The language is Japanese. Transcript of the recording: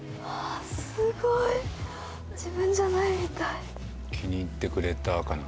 すごい自分じゃないみたい気に入ってくれたかな？